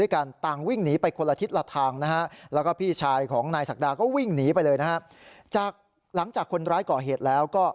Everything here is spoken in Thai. ก็วิ่งหนีไปเลยนะฮะจากหลังจากคนร้ายก่อเหตุแล้วก็